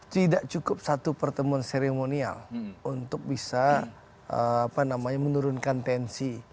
tidak cukup satu pertemuan seremonial untuk bisa menurunkan tensi